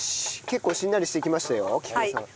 結構しんなりしてきましたよ菊枝さん。